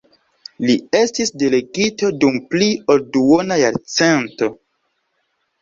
Li estis delegito dum pli ol duona jarcento.